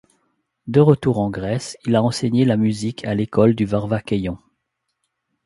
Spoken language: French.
De retour en Grèce il a enseigné la musique à l'école du Varvakeion.